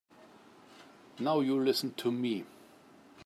Now you listen to me.